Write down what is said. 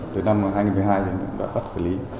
từ năm hai nghìn một mươi hai thì đã bắt xử lý